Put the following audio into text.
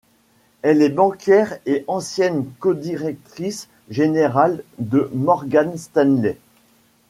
Elle est banquière et ancienne codirectrice générale de Morgan Stanley.